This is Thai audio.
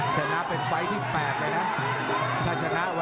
ชนะเป็นไฟต์ที่แปดไปนะ